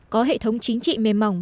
có hệ thống chính trị mềm mỏng